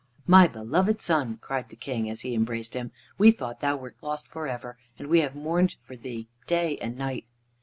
"My beloved son!" cried the King, as he embraced him. "We thought thou wert lost for ever, and we have mourned for thee day and night."